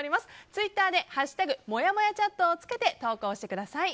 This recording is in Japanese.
ツイッターで「＃もやもやチャット」をつけて投稿してください。